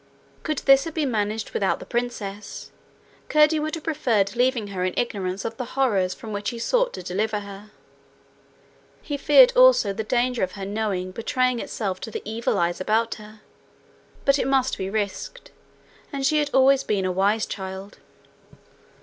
Could this have been managed without the princess, Curdie would have preferred leaving her in ignorance of the horrors from which he sought to deliver her. He feared also the danger of her knowledge betraying itself to the evil eyes about her; but it must be risked and she had always been a wise child.